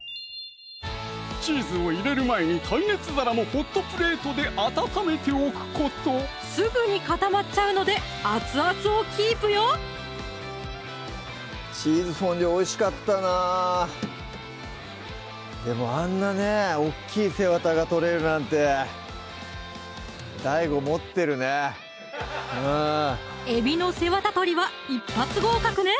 チーズを入れる前に耐熱皿もホットプレートで温めておくことすぐに固まっちゃうので熱々をキープよチーズフォンデュおいしかったなでもあんなね大っきい背わたが取れるなんてえびの背わた取りは一発合格ね